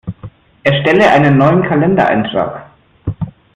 Erstelle einen neuen Kalendereintrag!